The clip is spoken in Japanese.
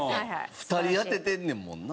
２人当ててんねんもんな。